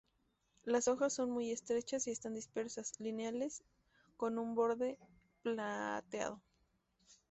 Las hojas son muy estrechas y están dispersas, lineales, con un borde plateado.